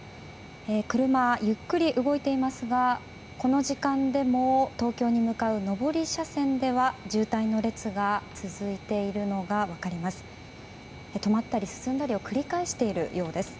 車、ゆっくり動ていますがこの時間でも東京に向かう上り車線では渋滞の列が続いているのが分かります。